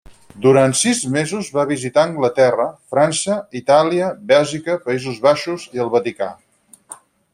Durant sis mesos va visitar Anglaterra, França, Itàlia, Bèlgica, Països Baixos i el Vaticà.